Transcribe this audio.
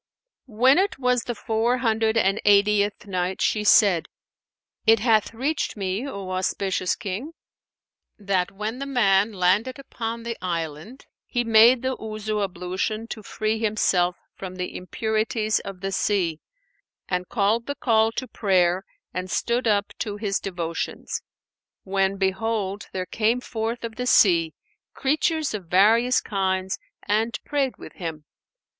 When it was the Four Hundred and Eightieth Night, She said, It hath reached me, O auspicious King, that when the man landed upon the island, he made the Wuzu ablution to free himself from the impurities of the sea and called the call to prayer and stood up to his devotions, when, behold, there came forth of the sea, creatures of various kinds and prayed with him.